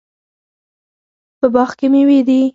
په باغ کې میوې دي